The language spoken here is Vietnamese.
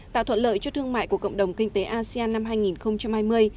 tạo thuận lợi cho thương mại của cộng đồng kinh tế asean năm hai nghìn hai mươi